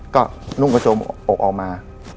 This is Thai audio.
ก็นุ่งกระโจมอกออกมา